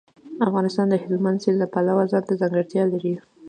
افغانستان د هلمند سیند له پلوه ځانته ځانګړتیاوې لري.